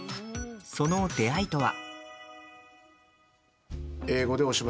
その出会いとは？